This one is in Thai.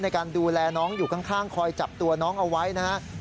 ในการดูแลน้องอยู่ข้างคอยจับตัวน้องเอาไว้นะครับ